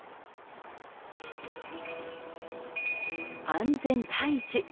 安全第一。